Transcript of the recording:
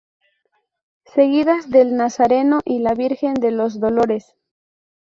Seguidas del Nazareno y la Virgen de los Dolores.